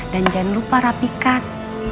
dan jangan lupa rapikan